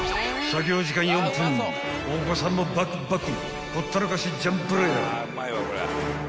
［お子さんもバクバク］